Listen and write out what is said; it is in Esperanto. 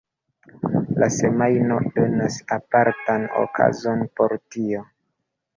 La Semajno donas apartan okazon por tio.